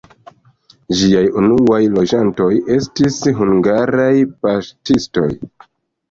Ĝiaj unuaj loĝantoj estis hungaraj paŝtistoj.